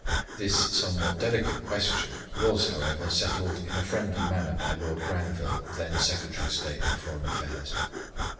This somewhat delicate question was, however, settled in a friendly manner by Lord Granville, then Secretary of State for Foreign Affairs.